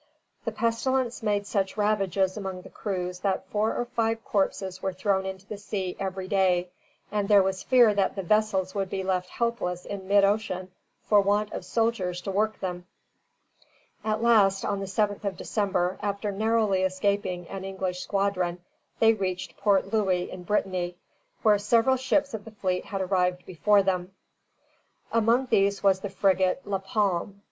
The pestilence made such ravages among the crews that four or five corpses were thrown into the sea every day, and there was fear that the vessels would be left helpless in mid ocean for want of sailors to work them. [Footnote: Journal historique.] At last, on the 7th of December, after narrowly escaping an English squadron, they reached Port Louis in Brittany, where several ships of the fleet had arrived before them. Among these was the frigate "La Palme."